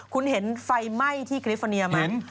คุณเห็นไฟไหม้ที่กริฟอร์เนียไหม